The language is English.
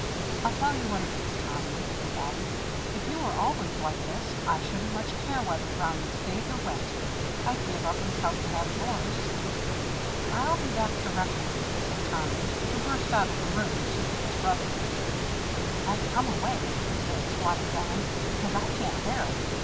I'll tell you what it is, Tommy," he added, "if you were always like this, I shouldn't much care whether Brownie stayed or went. I'd give up his help to have yours." "I'll be back directly," said Tommy, who burst out of the room in search of his brother. "I've come away," he said, squatting down, "because I can't bear it.